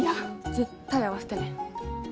絶対会わせてね。